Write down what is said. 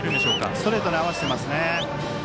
ストレートに合わせてます。